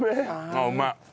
ああうまい！